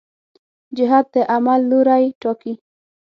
جهت د عمل لوری ټاکي.